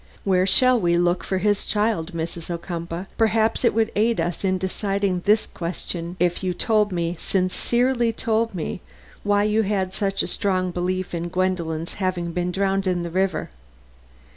Where shall we look for his child? Mrs. Ocumpaugh, perhaps it would aid us in deciding this question if you told me, sincerely told me, why you had such strong belief in Gwendolen's having been drowned in the river.